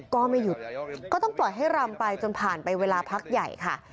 ก็ไม่หยุดก็ต้องปล่อยให้รำไปจนผ่านไปเวลาพักใหญ่ค่ะ